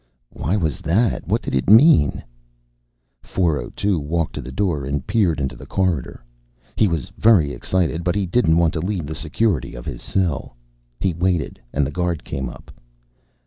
Why was that? What did it mean? 402 walked to the door and peered into the corridor. He was very excited, but he didn't want to leave the security of his cell. He waited, and the guard came up.